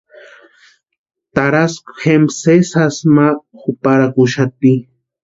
Taraskwa jempa sesi jasï ma juparakwa úxaati.